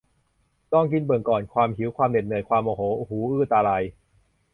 ลองกินเบิ่งก่อน ความหิว ความเหน็ดเหนื่อย ความโมโห หูอื้อตาลาย